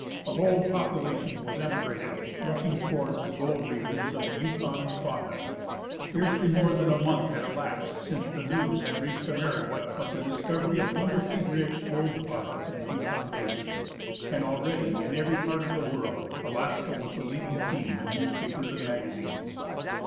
A whole population was emigrating, rushing towards the gold regions of Yukon and Klondike. Scarcely more than a month had elapsed since the news had reached America of the discovery of wonderfully rich gold deposits in the Yukon basin, and already in every part of the world Alaska was the leading theme in news papers and magazines.